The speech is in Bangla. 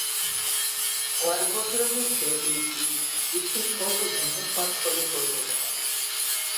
কয়েক বছরের মধ্যে মিলটি বিশ্বের সর্ব বৃহৎ পাটকলে পরিণত হয়।